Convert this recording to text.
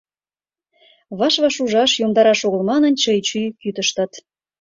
Ваш-ваш ужаш, йомдараш огыл манын, чый-чуй кӱтыштыт.